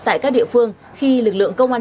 tại các địa phương khi lực lượng công an